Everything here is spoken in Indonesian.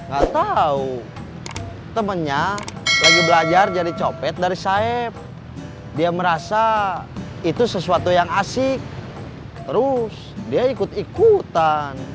gak tau temennya lagi belajar jadi copet dari saib dia merasa itu sesuatu yang asik terus dia ikut ikutan